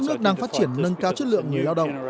các nước đang phát triển nâng cao chất lượng người lao động